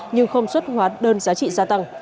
nhưng không xuất hóa đơn giá trị gia tăng